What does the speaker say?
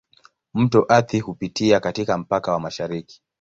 Mto Athi hupitia katika mpaka wa mashariki.